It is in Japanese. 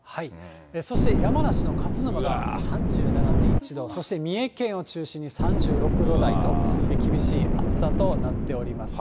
そして、山梨の勝沼で３７．１度、そして三重県を中心に３６度台と、厳しい暑さとなっております。